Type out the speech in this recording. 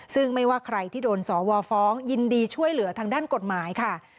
ซึ่งไม่ว่าใครที่โดนสวฟ้องยินดีช่วยเหลือทางด้านกฎหมายค่ะ